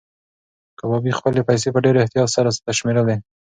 کبابي خپلې پیسې په ډېر احتیاط سره شمېرلې.